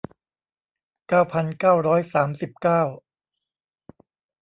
เก้าพันเก้าร้อยสามสิบเก้า